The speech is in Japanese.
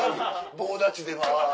棒立ちでワ。